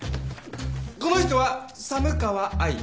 この人は寒川亜衣。